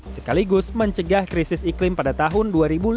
sekaligus mencegah krisis iklim pada tahun dua ribu dua puluh